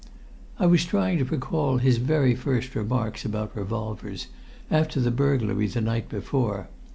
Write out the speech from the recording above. I was trying to recall his very first remarks about revolvers, after the burglary the night before.